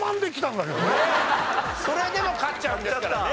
それでも勝っちゃうんですからね。